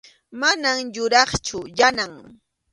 Mana yuraqchu Yanam.